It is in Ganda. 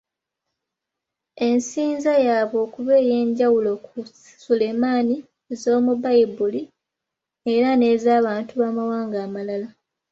Ensinza yaabwe okuba ey’enjawulo ku Sulemani ez’omu Bbayibuli era n’ez’Abantu b’’amawanga amalala.